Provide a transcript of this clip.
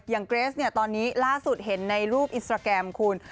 เกรสเนี่ยตอนนี้ล่าสุดเห็นในรูปอินสตราแกรมคุณ